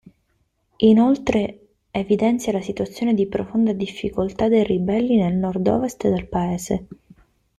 Inoltre evidenzia la situazione di profonda difficoltà dei ribelli nel nord-ovest del Paese.